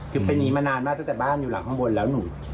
คือเป็นอย่างนี้มานานมากตั้งแต่บ้านอยู่หลังข้างบนแล้วหนู